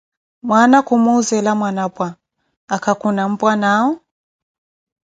Mwaana ku muuzela Mwanapwa: Aka khuna mpwanaawo?